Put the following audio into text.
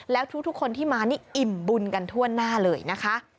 แล้วทุกคนที่มานี่อิ่มบุญกันทั่วหน้าเลยนะคะ